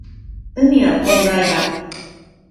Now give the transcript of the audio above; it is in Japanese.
海は広大だ